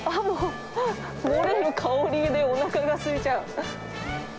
漏れる香りでおなかがすいちゃう。